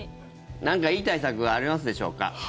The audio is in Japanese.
何かいい対策ありますでしょうか？